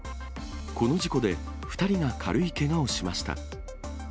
この事故で２人が軽いけがをしました。